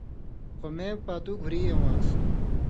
خو مے پاتُو گُھری اېوں آن٘س۔